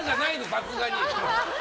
さすがに！